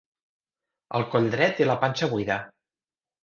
El coll dret i la panxa buida.